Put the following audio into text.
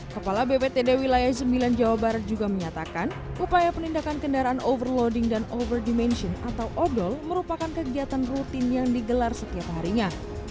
kepala bptd wilayah sembilan jawa barat juga menyatakan upaya penindakan kendaraan overloading dan overdimention atau obrol merupakan kegiatan rutin yang digelar setiap harinya